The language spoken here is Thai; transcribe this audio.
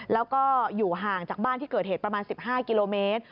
แล้วก็อยู่ห่างจากบ้านที่เกิดเหตุประมาณ๑๕กิโลเมตร